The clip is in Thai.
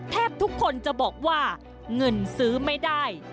แทบทุกคนจะบอกว่าเงินซื้อไม่ได้